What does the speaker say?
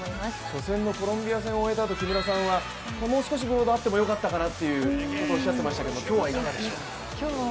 初戦のコロンビア戦を終えたあと、木村さんは、もう少しブロードあってもよかったかなとおっしゃっていましたけど、今日はいかがでしょうか？